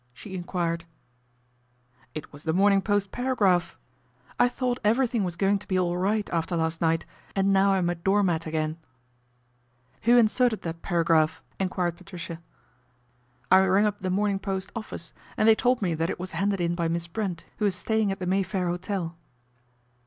" she enquired. " It was The Morning Post paragraph. I 166 PATRICIA BRENT, SPINSTER thought everything was going to be all right after last night, and now I'm a door mat again." " Who inserted that paragraph ?" enquired Patricia. " I rang up The Morning Post office and they told me that it was handed in by Miss Brent, who is staying at the Mayfair Hotel."